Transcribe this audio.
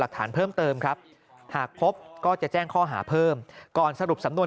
เพิ่มเติมครับหากพบก็จะแจ้งข้อหาเพิ่มก่อนสรุปสำนวน